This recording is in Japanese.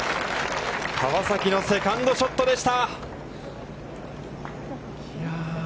川崎のセカンドショットでした。